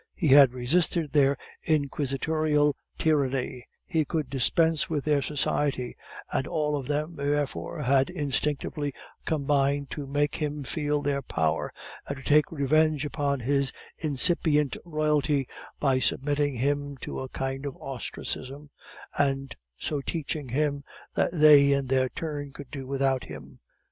He had resisted their inquisitorial tyranny; he could dispense with their society; and all of them, therefore, had instinctively combined to make him feel their power, and to take revenge upon this incipient royalty by submitting him to a kind of ostracism, and so teaching him that they in their turn could do without him.